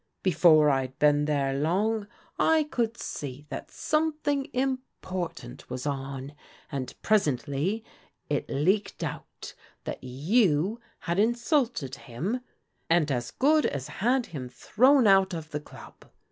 Before I'd been there long, I could see that something important was on, and presently it leaked out that you had insulted him, and as good as had him thrown out of the club.